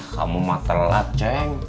kamu mah terlalat jeng